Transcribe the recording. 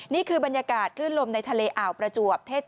นี่คือบรรยากาศคลื่นลมในทะเลอ่าวประจวบ